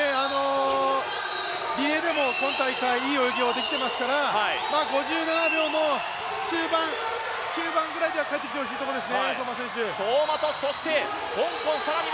リレーでも今大会いい泳ぎができていますから５７秒の中盤ぐらいでかえってきてほしいところです